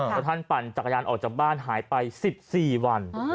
แล้วท่านปั่นจักรยานออกจากบ้านหายไป๑๔วัน